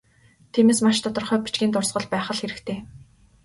Тиймээс, маш тодорхой бичгийн дурсгал байх л хэрэгтэй.